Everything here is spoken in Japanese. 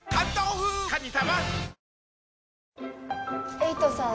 エイトさん